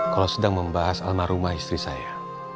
kalau sedang membahas almarhumah istri saya